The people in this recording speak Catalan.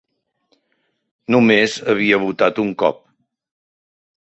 No més havia votat un cop